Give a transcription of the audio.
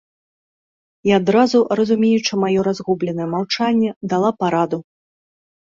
І адразу, разумеючы маё разгубленае маўчанне, дала параду.